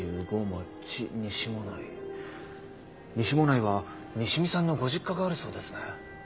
西馬音内は西見さんのご実家があるそうですね。